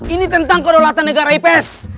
ini tentang kedaulatan negara ips